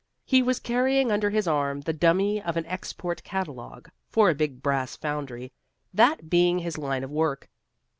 He was carrying under his arm the dummy of an "export catalogue" for a big brass foundry, that being his line of work.